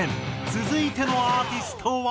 続いてのアーティストは。